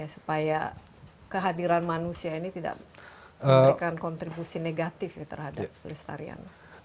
supaya kehadiran manusia ini tidak memberikan kontribusi negatif terhadap pelestarian